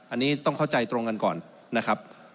อันนี้ต้องเข้าใจตรงกันก่อนนะครับ